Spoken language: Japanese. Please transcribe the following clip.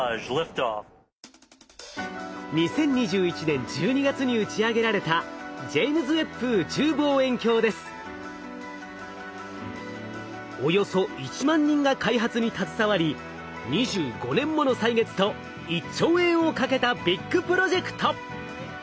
２０２１年１２月に打ち上げられたおよそ１万人が開発に携わり２５年もの歳月と１兆円をかけたビッグプロジェクト！